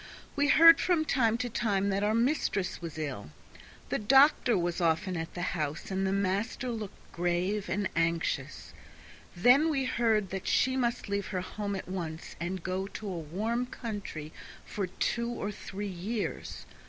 We heard from time to time that our mistress was ill. The doctor was often at the house, and the master looked grave and anxious. Then we heard that she must leave her home at once, and go to a warm country for two or three years.